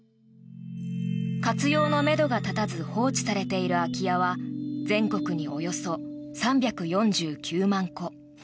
活用のめどが立たず放置されている空き家は全国におよそ３４９万戸。